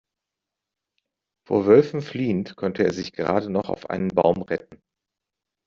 Vor Wölfen fliehend konnte er sich gerade noch auf einen Baum retten.